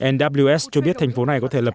nws cho biết thành phố này có thể lập